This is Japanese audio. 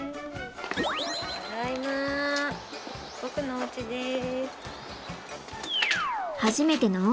ただいまボクのおうちです。